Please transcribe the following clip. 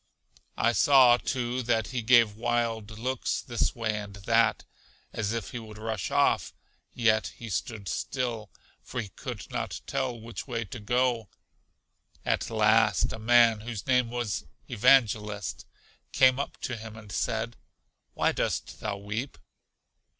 I saw, too, that he gave wild looks this way and that, as if he would rush off; yet he stood still, for he could not tell which way to go. At last, a man, whose name was Evangelist, came up to him and said, Why dost thou weep?